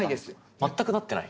全くなってない？